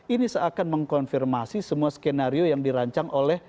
ini seakan mengkonfirmasi semua skenario yang dirancang oleh